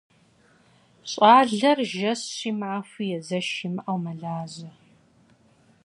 Щӏалэр жэщи махуи езэш имыщӏэу мэлажьэ.